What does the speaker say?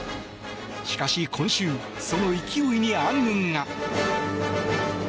しかし、今週その勢いに暗雲が。